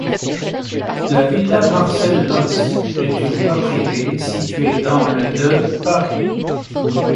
La villa Marcel-Lods est une voie privée située dans le de Paris.